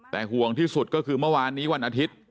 แต่ห่วงที่สุดก็คือเมื่อวานนี้วันอาทิตย์